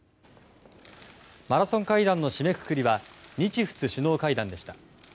マラソン会談の締めくくりは日仏首脳会談でした。